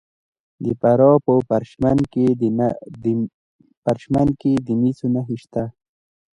د فراه په پرچمن کې د مسو نښې شته.